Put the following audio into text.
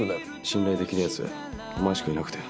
信頼できるヤツお前しかいなくて。